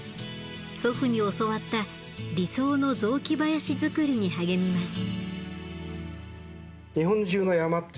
祖父に教わった理想の雑木林づくりに励みます。